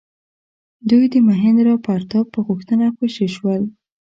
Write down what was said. دوی د مهیندرا پراتاپ په غوښتنه خوشي شول.